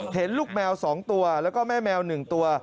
เห็นลูกแมวสองตัวแล้วก็แม่แมวหนึ่งตัว